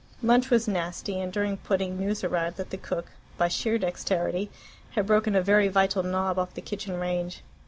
Lunch was nasty; and during pudding news arrived that the cook, by sheer dexterity, had broken a very vital knob off the kitchen range.